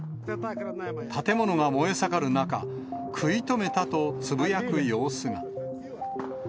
建物が燃え盛る中、食い止めたとつぶやく様子が。